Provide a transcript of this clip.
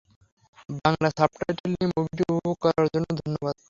Bangla subtitle দিয়ে মুভিটি উপভোগ করার জন্য ধন্যবাদ।